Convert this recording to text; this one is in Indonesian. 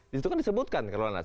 di situ kan disebutkan karul anas